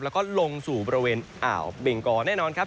แล้วก็ลงสู่บริเวณอ่าวเบงกอแน่นอนครับ